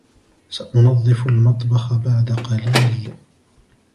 سأنظف المطبخ بعد قليل.